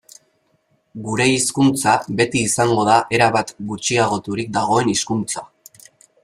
Gure hizkuntza beti izango da erabat gutxiagoturik dagoen hizkuntza.